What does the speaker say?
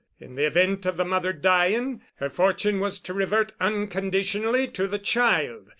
In the event of the mother dying, her fortune was to revert unconditionally to the child.